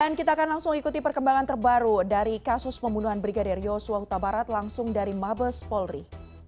dan kita akan langsung ikuti perkembangan terbaru dari kasus pembunuhan brigadir yosua utabarat langsung dari mabes polri